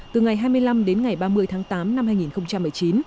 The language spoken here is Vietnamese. từ ngày hai mươi năm đến ngày ba mươi tháng tám năm hai nghìn một mươi chín